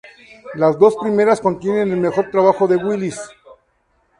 Las dos primeras contienen el mejor trabajo de Wills.